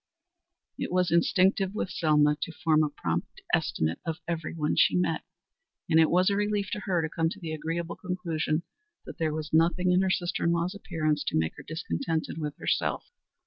It was instinctive with Selma to form a prompt estimate of every one she met, and it was a relief to her to come to the agreeable conclusion that there was nothing in her sister in law's appearance to make her discontented with herself.